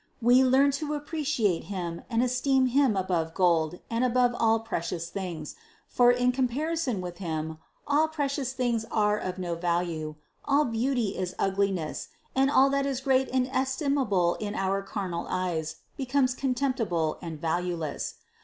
We learn to appreciate Him and esteem Him above gold and above all precious things, for in comparison with Him all precious things are of no value, all beauty is ugliness, and all that is great and estimable in carnal eyes, becomes contemptible and valueless.